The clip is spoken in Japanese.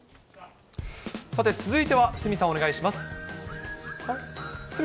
さて、続いては鷲見さん、お願いします。